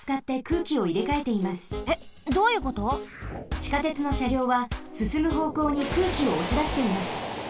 ちかてつのしゃりょうはすすむほうこうに空気をおしだしています。